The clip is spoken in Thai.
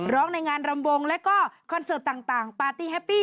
ร้องในงานลำวงหรือวิบัตรต่าง